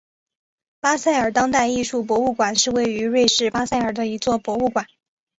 巴塞尔当代艺术博物馆是位于瑞士巴塞尔的一座博物馆。